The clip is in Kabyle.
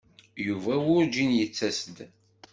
Yuba werǧin yettas-d.